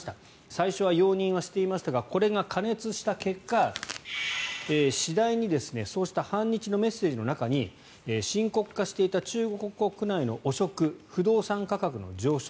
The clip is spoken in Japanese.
最初は容認はしていましたがこれが過熱した結果次第にそうした反日のメッセージの中に深刻化していた中国国内の汚職不動産価格の上昇